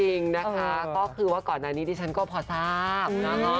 จริงนะคะก็คือว่าก่อนนี้นี่ฉันก็พอทราบนะ